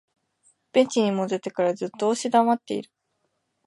ベンチに戻ってからずっと押し黙っている